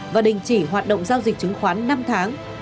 và đình chỉ hoạt động giao dịch chứng khoán năm tháng